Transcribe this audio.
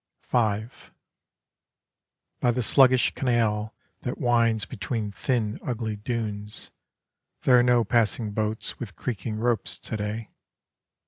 V By the sluggish canal That winds between thin ugly dunes, There are no passing boats with creaking ropes to day.